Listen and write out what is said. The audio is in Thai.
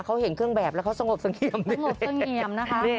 เขาเห็นเครื่องแบบแล้วเขาสงบเซ็งเทียม